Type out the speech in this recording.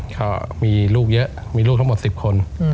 ก็มีลูกเยอะมีลูกทั้งหมด๑๐คน